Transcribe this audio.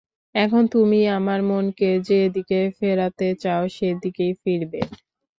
এখন তুমি আমার মনকে যে দিকে ফেরাতে চাও সেই দিকেই ফিরবে।